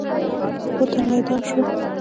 اووه تنه اعدام شول.